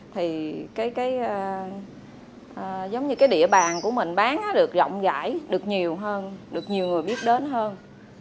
thì cái địa bàn của mình bán được rộng rãi được nhiều hơn được nhiều người biết đến hơn